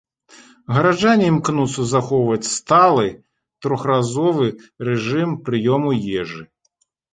Гараджане імкнуцца захоўваць сталы трохразовы рэжым прыёму ежы.